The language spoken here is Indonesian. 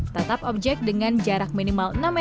tetap objek dengan jarak minimal enam puluh cm